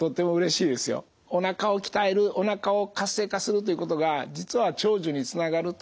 おなかを鍛えるおなかを活性化するということが実は長寿につながると。